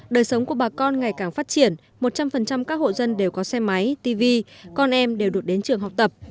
đời sống của bà con ngày càng phát triển một trăm linh các hộ dân đều có xe máy tv con em đều được đến trường học tập